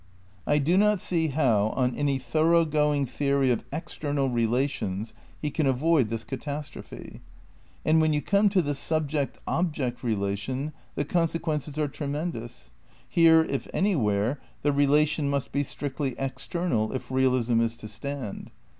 I do not see how, on any thorough going theory of external relations, he can avoid this catastrophe. And when you come to the subject object relation the consequences are tremendous. Here if anywhere, the relation must be strictly external if realism is to stand.